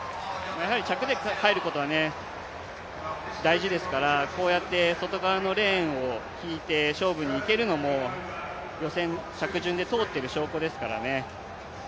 やはり着で入ることが大事ですからこうやって外側のレーンを引いて勝負にいけるのも、予選、着順で通っている証拠ですからね。